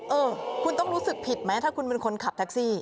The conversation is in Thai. เออคุณต้องรู้สึกผิดไหมถ้าคุณเป็นคนขับแท็กซี่